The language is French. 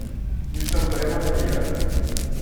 Nous sommes vraiment les meilleurs!